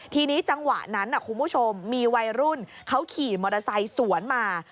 ทีนี้จังหวะนั้นคุณผู้ชมมีวัยรุ่นเขาขี่มอเตอร์ไซค์สวนมา